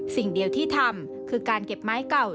สิ่งเดียวที่ทำคือการเก็บไม้เก่า